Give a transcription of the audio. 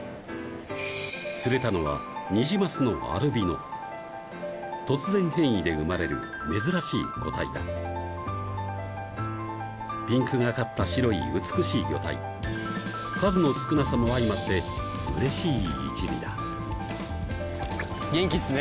釣れたのはニジマスのアルビノ突然変異で生まれる珍しい個体だピンクがかった白い美しい魚体数の少なさも相まってうれしい１尾だ元気っすね